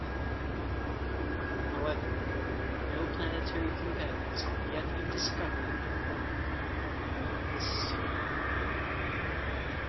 However, no planetary companions have yet been discovered in orbit around this star.